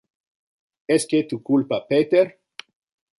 Esque tu culpa Peter?